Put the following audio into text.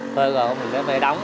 phơi rồi mình phải về đóng